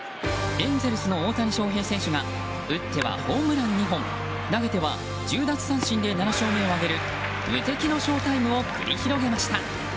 エンゼルスの大谷翔平選手が打ってはホームラン２本投げては１０奪三振で７勝目を挙げる無敵のショータイムを繰り広げました。